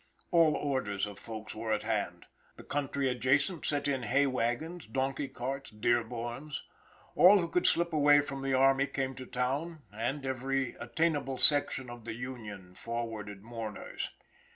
All orders of folks were at hand. The country adjacent sent in hay wagons, donkey carts, dearborns. All who could slip away from the army came to town, and every attainable section of the Union forwarded mourners.